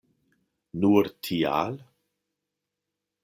Nur tial?